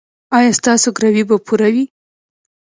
ایا ستاسو ګروي به پوره وي؟